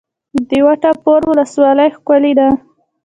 د وټه پور ولسوالۍ ښکلې ده